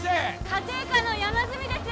家庭科の山住です